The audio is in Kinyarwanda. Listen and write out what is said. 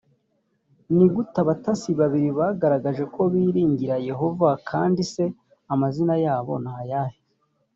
ni gute abatasi babiri bagaragaje ko biringiraga yehova kandi se amazina yabo ni ayahe